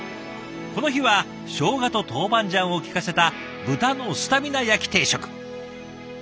この日はショウガとトウバンジャンを効かせた豚のスタミナ焼き定食。